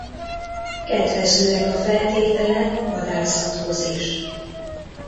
Kedvezőek a feltételek a vadászathoz is.